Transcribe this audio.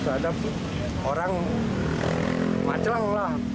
ada orang macelang lah